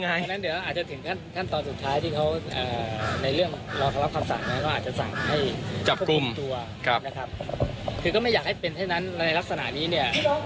ในลักษณะนี้เนี่ย